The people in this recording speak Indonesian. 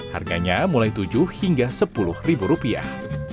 harganya mulai tujuh hingga sepuluh ribu rupiah